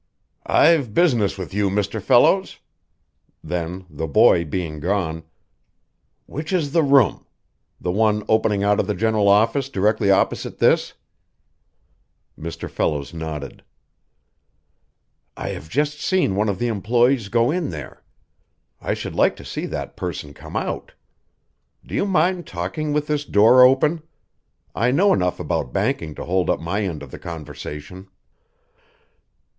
"I've business with you, Mr. Fellows." Then, the boy being gone, "Which is the room? The one opening out of the general office directly opposite this?" [Illustration: "He transferred his attention to the door"] Mr. Fellows nodded. "I have just seen one of the employees go in there. I should like to see that person come out. Do you mind talking with this door open? I know enough about banking to hold up my end of the conversation."